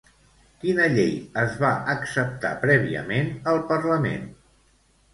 Quina llei es va acceptar prèviament al Parlament?